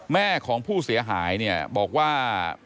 แม่ของผู้เสียหายเนี่ยบอกว่า